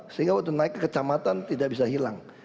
sehingga waktu naik ke kecamatan tidak bisa hilang